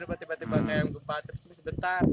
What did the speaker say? tiba tiba kayak yang lupa tapi sebentar